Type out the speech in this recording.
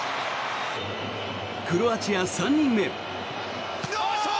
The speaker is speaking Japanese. クロアチア３人目。